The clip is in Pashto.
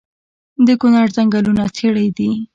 د کونړ ځنګلونه څیړۍ دي